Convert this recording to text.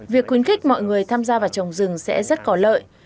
việc khuyến khích mọi người tham gia vào trồng rừng sẽ rất có lợi